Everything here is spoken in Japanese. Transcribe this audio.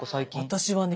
私はね